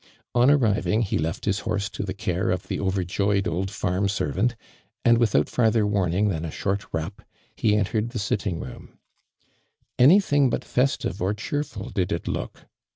On arriving he left his horse to the care of the overjoyed old farm servant, and without fatther warning tl»n a short rap, he entered the sitting robith 40 ARMiND DURAND. Anything but festive or cheerful did it look.